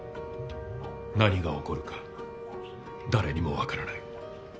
何が起こるか誰にも分からない。